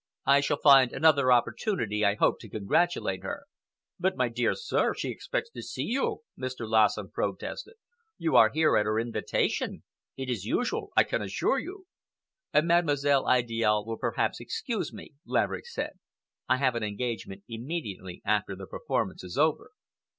"I shall find another opportunity, I hope, to congratulate her." "But, my dear sir, she expects to see you," Mr. Lassen protested. "You are here at her invitation. It is usual, I can assure you." "Mademoiselle Idiale will perhaps excuse me," Laverick said. "I have an engagement immediately after the performance is over."